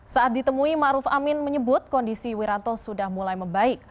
saat ditemui ma'ruf amin menyebut kondisi wiranto sudah mulai membaik